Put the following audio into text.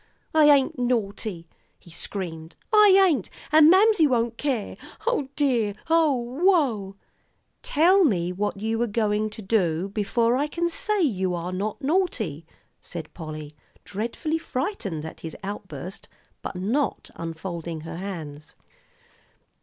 "I ain't naughty," he screamed. "I ain't, and Mamsie won't care. O dear ooh ooh!" "Tell me what you were going to do, before I can say you are not naughty," said Polly, dreadfully frightened at his outburst, but not unfolding her hands.